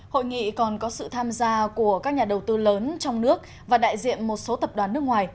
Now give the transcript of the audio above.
hội nghị còn có sự tham gia của các nhà đầu tư lớn trong nước và đại diện một số tập đoàn nước ngoài